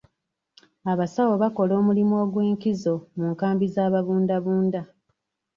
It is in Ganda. Abasawo bakola omulimu ogw'enkizo mu nkambi z'ababundabunda.